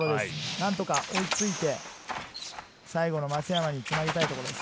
何とか追いついて、最後の松山につなげたいところです。